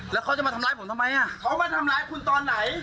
แล้วเขาจะมาทำร้ายผมทำไมอ่ะเขามาทำร้ายคุณตอนไหน